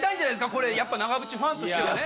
これやっぱ長渕ファンとしてはね